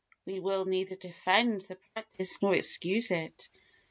We will neither defend the practice nor excuse it.